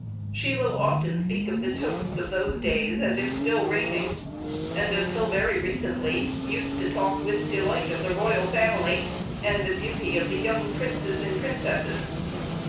She will often speak of the toasts of those days as if still reigning; and, until very recently, used to talk with delight of the royal family, and the beauty of the young princes and princesses.